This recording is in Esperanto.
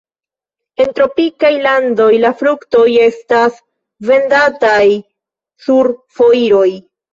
En tropikaj landoj la fruktoj estas vendataj sur foiroj.